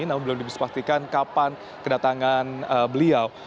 namun belum disepastikan kapan kedatangan beliau